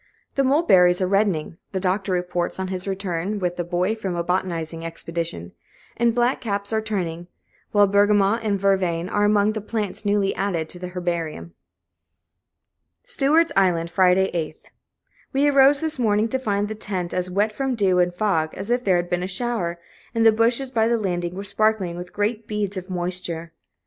The mulberries are reddening, the Doctor reports on his return with the Boy from a botanizing expedition, and black caps are turning; while bergamot and vervain are among the plants newly added to the herbarium. Stewart's Island, Friday, 8th. We arose this morning to find the tent as wet from dew and fog as if there had been a shower, and the bushes by the landing were sparkling with great beads of moisture.